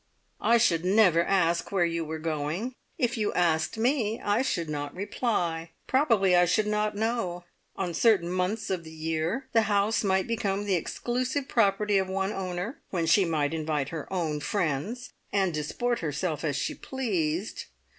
I should never ask where you were going. If you asked me, I should not reply. Probably I should not know. On certain months of the year the house might become the exclusive property of one owner, when she might invite her own friends, and disport herself as she pleased.